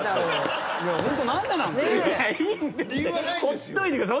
ほっといてください。